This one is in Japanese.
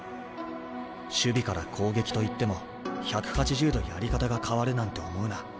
「守備から攻撃と言っても１８０度やり方が変わるなんて思うな。